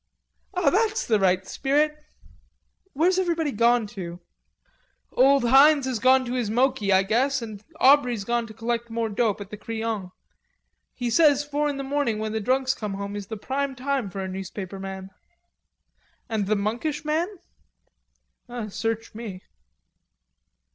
"That's the right spirit.... Where's everybody gone to?" "Old Heinz has gone to his Moki, I guess, and Aubrey's gone to collect more dope at the Crillon. He says four in the morning when the drunks come home is the prime time for a newspaper man." "And the Monkish man?" "Search me."